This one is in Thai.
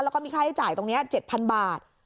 แล้วก็มีค่าใช้จ่ายตรงนี้๗๐๐บาท